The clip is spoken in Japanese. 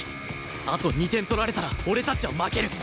あと２点取られたら俺たちは負ける！